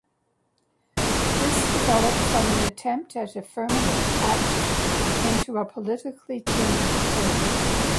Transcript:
This developed from an attempt at affirmative action into a 'politically tinged purge'.